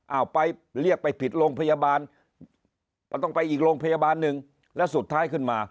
เอาไปเรียกไปผิดโรงพยาบาลก็ต้องไปอีกโรงพยาบาลหนึ่งแล้วสุดท้ายขึ้นมา